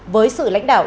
với sự lãnh đạo